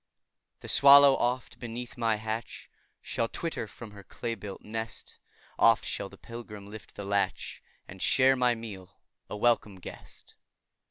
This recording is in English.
The swallow, oft, beneath my thatch, Shall twitter from her clay built nest; Oft shall the pilgrim lift the latch, And share my meal, a welcome guest.